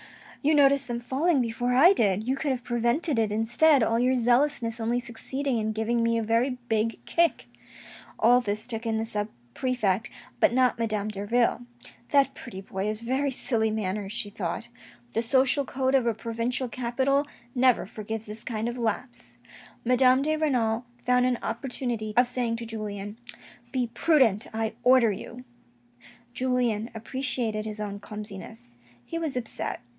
"You noticed them falling before I did — you could have prevented it, instead, all your zealousness only succeeding in giving me a very big kick." All this took in the sub perfect, but not Madame Derville. " That pretty boy has very silly manners," she thought. The social code of a provincial capital never forgives this kind of lapse. Madame de Renal found an opportunity of saying to Julien, " Be prudent, I order you." Julien appreciated his own clumsiness. He was upset.